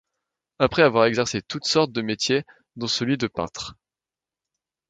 Après avoir exercé toutes sortes de métiers, dont celui de peintre.